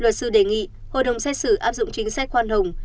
luật sư đề nghị hội đồng xét xử áp dụng chính sách khoan hồng